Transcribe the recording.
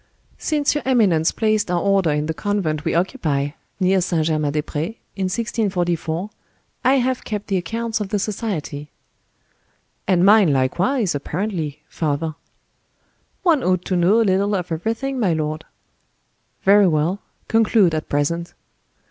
"Since your eminence placed our order in the convent we occupy, near St. Germain des Pres, in 1644, I have kept the accounts of the society." "And mine likewise, apparently, father." "One ought to know a little of everything, my lord." "Very well. Conclude, at present."